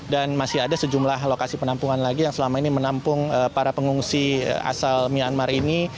dan masih ada sejumlah lokasi penampungan lagi yang selama ini menampung para pengungsi asal myanmar ini